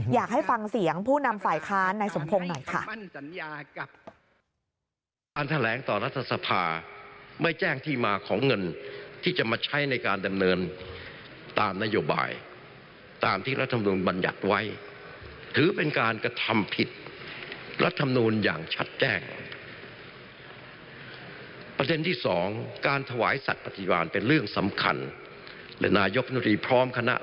อยากให้ฟังเสียงผู้นำฝ่ายค้านในสมพงศ์หน่อยค่ะ